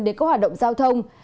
đến các hoạt động giao thông